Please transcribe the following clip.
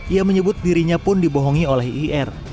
ia menyebut dirinya pun dibohongi oleh ir